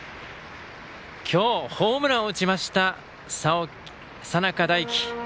今日、ホームランを打ちました佐仲大輝。